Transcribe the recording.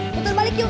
turun balik yuk